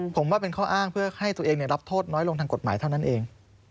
ผมว่าเป็นข้ออ้างเพื่อให้ตัวเองรับโทษน้อยลงทางกฎหมายเท่านั้นเอง